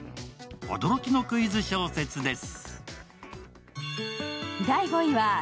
驚きのクイズ小説です。